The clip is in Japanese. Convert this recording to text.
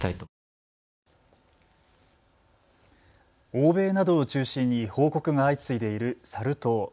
欧米などを中心に報告が相次いでいるサル痘。